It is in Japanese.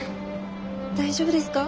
大丈夫ですか？